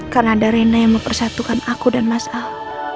karena ada rena yang mempersatukan aku dan mas al